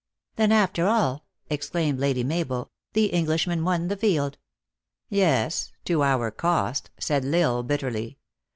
" Then, after all," exclaimed Lady Mabel, "the Eng lishman won the field." " Yes," to our cost," said L Isle, bitterly.